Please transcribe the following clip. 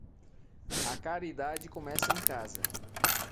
A caridade começa em casa.